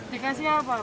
dikasih apa pak